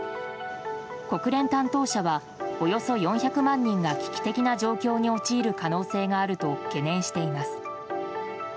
国連担当者はおよそ４００万人が危機的な状況に陥る可能性があると懸念しています。